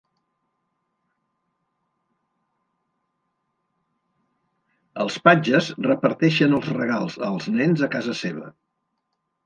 Els patges reparteixen els regals als nens a casa seva.